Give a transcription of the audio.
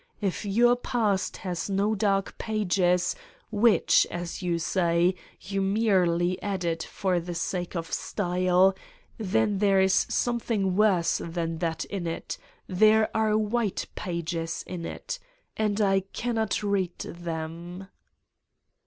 If your past has no dark pages, which, as you say, you merely added for the sake of style, then there is something worse than that in it : there are white pages in it. And I cannot read them!